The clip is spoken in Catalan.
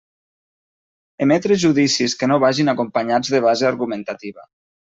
Emetre judicis que no vagin acompanyats de base argumentativa.